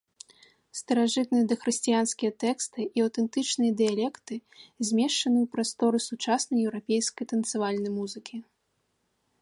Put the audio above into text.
Старажытныя дахрысціянскія тэксты і аўтэнтычныя дыялекты змешчаны ў прастору сучаснай еўрапейскай танцавальнай музыкі.